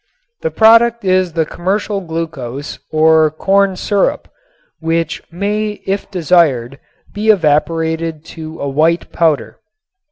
The product is the commercial glucose or corn syrup, which may if desired be evaporated to a white powder.